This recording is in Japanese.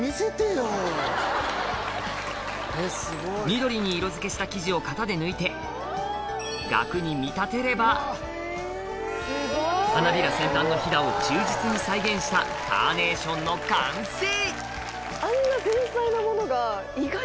緑に色付けした生地を型で抜いて萼に見立てれば花びら先端のヒダを忠実に再現したカーネーションの完成